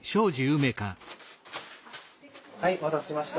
はいお待たせしました。